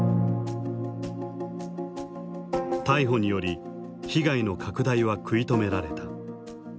逮捕により被害の拡大は食い止められた。